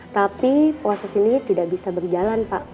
tapi puasa sini tidak bisa berjalan pak